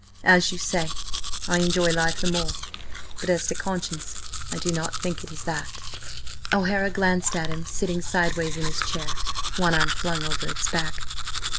"As you say, I enjoy life the more–but as to conscience, I do not think it is that." O'Hara glanced at him sitting sideways in his chair, one arm flung over its back.